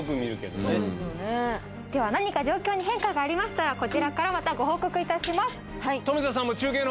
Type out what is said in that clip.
では何か状況に変化がありましたらこちらからまたご報告いたします。